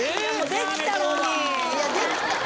できたのに！